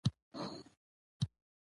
موږ باید د ښار پاکوالي ته پاملرنه وکړو